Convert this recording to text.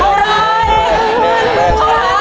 เท่าไหร่